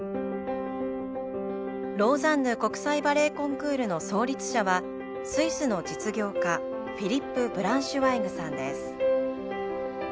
ローザンヌ国際バレエコンクールの創立者はスイスの実業家フィリップ・ブランシュワイグさんです。